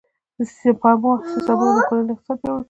د سپما حسابونه د کورنۍ اقتصاد پیاوړی کوي.